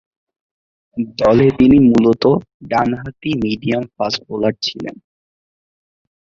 দলে তিনি মূলতঃ ডানহাতি মিডিয়াম-ফাস্ট বোলার ছিলেন।